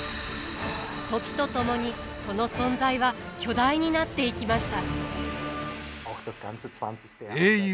時とともにその存在は巨大になっていきました。